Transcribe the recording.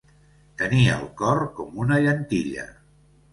Tenir el cor com una llentilla.